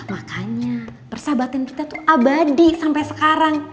makanya persahabatan kita tuh abadi sampai sekarang